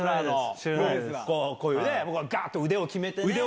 ガッ！と腕を決めて。